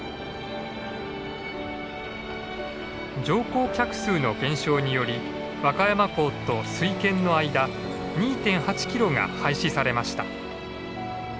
乗降客数の減少により和歌山港と水軒の間２．８キロが廃止されました。